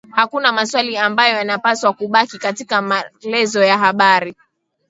Hakuna maswali ambayo yanapaswa kubaki katika marlezo ya habari